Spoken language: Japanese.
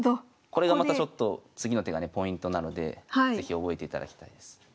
これがまたちょっと次の手がねポイントなので是非覚えていただきたいです。